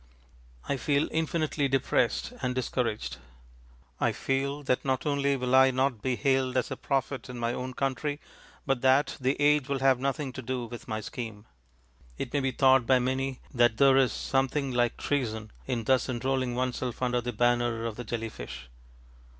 I feel infinitely depressed and discouraged. I feel that not only will I not be hailed as a prophet in my own country, but that the age will have nothing to do with my scheme. It may be thought by many that there is something like treason in thus enrolling oneself under the banner of the jelly fish.